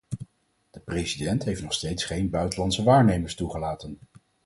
De president heeft nog steeds geen buitenlandse waarnemers toegelaten.